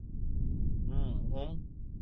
ম্ম, হুম?